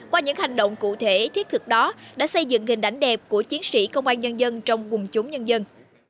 qua những hành động cụ thể thiết thực đó đã xây dựng hình ảnh đẹp của chiến sĩ công an nhân dân trong quần chúng nhân dân